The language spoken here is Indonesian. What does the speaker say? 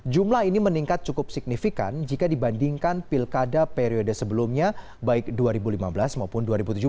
jumlah ini meningkat cukup signifikan jika dibandingkan pilkada periode sebelumnya baik dua ribu lima belas maupun dua ribu tujuh belas